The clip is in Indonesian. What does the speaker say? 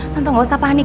tante gak usah panik ya